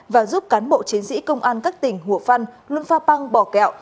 và giúp cán bộ chiến sĩ công an các tỉnh hủa phăn lưu pháp băng bò kẹo